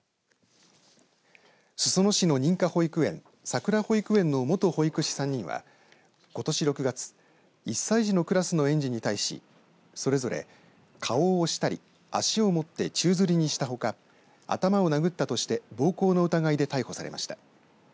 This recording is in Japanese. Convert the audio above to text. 裾野市の認可保育園さくら保育園の元保育士３人はことし６月１歳児のクラスの園児に対しそれぞれ顔を押したり足を持って宙づりにしたほか頭を殴ったとして暴行の疑いで逮捕されました。